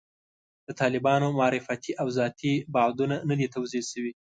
د طالبانو معرفتي او ذاتي بعدونه نه دي توضیح شوي.